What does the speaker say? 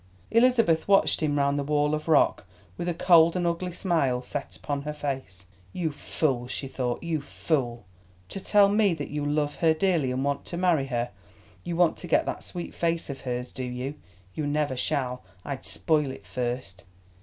Elizabeth watched him round the wall of rock with a cold and ugly smile set upon her face. "You fool," she thought, "you fool! To tell me that you 'love her dearly and want to marry her;' you want to get that sweet face of hers, do you? You never shall; I'd spoil it first!